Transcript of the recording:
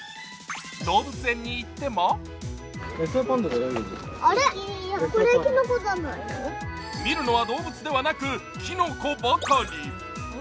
動物園に行っても見るのは動物ではなくきのこばかり。